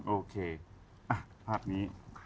โอเคภาพนี้